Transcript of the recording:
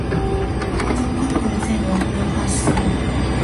皇族、華族の制度はこれを廃止する。